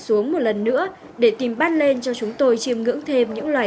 còn mấy lông bà gốc kia anh ăn mình uống nữa nữa